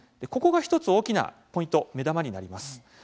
ここが１つの大きなポイント目玉になります。